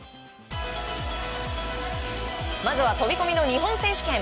まずは飛込の日本選手権。